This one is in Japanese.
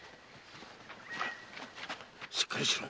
しっかりしろ！